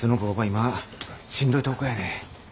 今しんどいとこやねん。